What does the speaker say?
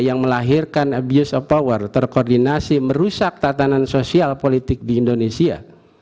yang melahirkan abuse of power terkoordinasi merusak tatanan sosial politik di indonesia